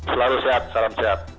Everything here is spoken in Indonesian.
selalu sehat salam sehat